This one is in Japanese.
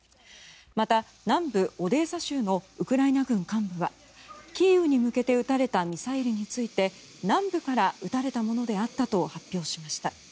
また、南部オデーサ州のウクライナ軍幹部はキーウに向けて撃たれたミサイルについて南部から撃たれたものであったと発表しました。